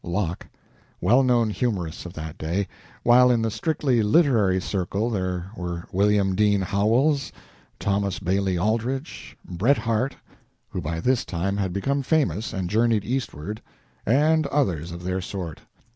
Locke) well known humorists of that day while in the strictly literary circle there were William Dean Howells, Thomas Bailey Aldrich, Bret Harte (who by this time had become famous and journeyed eastward), and others of their sort.